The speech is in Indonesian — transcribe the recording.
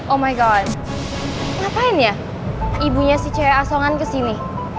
oh my god ngapain ya ibunya si cewek asongan kesini